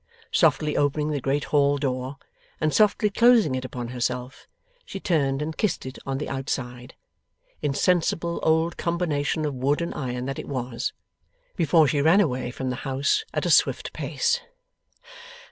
Softly opening the great hall door, and softly closing it upon herself, she turned and kissed it on the outside insensible old combination of wood and iron that it was! before she ran away from the house at a swift pace.